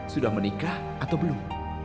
sudah menikah atau belum